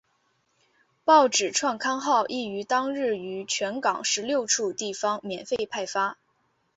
报纸创刊号亦于当日于全港十六处地方免费派发。